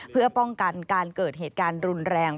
เพื่อป้องกันการเกิดเหตุการณ์รุนแรง